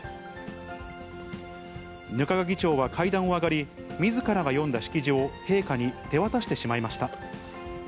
額賀議長は階段を上がり、みずからが読んだ式辞を陛下に手渡してしまいました。